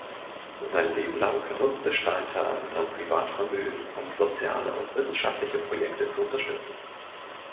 Sein Leben lang nutzte Steinthal sein Privatvermögen, um soziale und wissenschaftliche Projekte zu unterstützen.